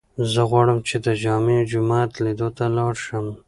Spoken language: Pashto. زه غواړم چې د جامع جومات لیدو ته لاړ شم.